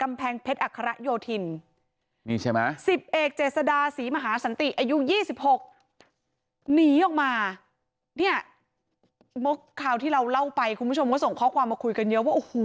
มาเนี่ยเมาส์คราวที่เราเล่าไปคุณผู้ชมก็ส่งข้อความมาคุยกันเยอะว่าโอ้โห